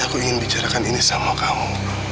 aku ingin bicarakan ini sama kamu